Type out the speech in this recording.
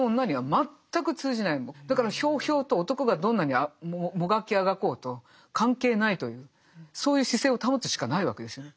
だからひょうひょうと男がどんなにもがきあがこうと関係ないというそういう姿勢を保つしかないわけですよね。